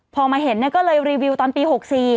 พอมาเห็นก็เลยรีวิวตอนปี๖๔